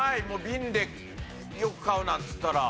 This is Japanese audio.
ビンでよく買うなんっつったら。